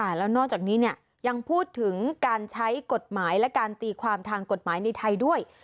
แล้วนอกจากนี้เนี่ยยังพูดถึงการใช้กฎหมายและการตีความทางกฎหมายในไทยด้วย